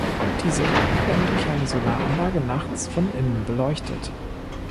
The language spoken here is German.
Diese werden durch eine Solaranlage nachts von innen beleuchtet.